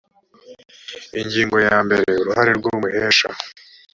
ingingo ya mbere uruhare rw umuhesha